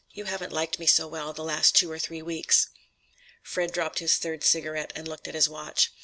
You haven't liked me so well the last two or three weeks." Fred dropped his third cigarette and looked at his watch.